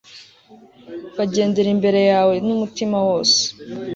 bagendera imbere yawe n'umutima wose